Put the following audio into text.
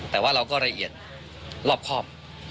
แต่ว่าเราก็ละเอียดรอบครอบ